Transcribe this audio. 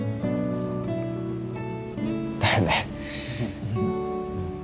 だよね。